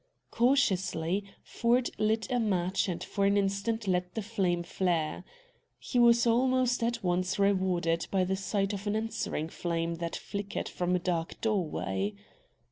Cautiously Ford lit a match and for an instant let the flame flare. He was almost at once rewarded by the sight of an answering flame that flickered from a dark doorway.